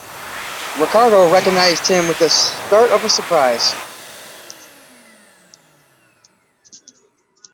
Ricardo recognised him with a start of surprise.